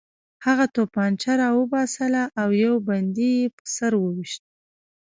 هغه توپانچه راوباسله او یو بندي یې په سر وویشت